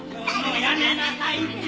もうやめなさいって！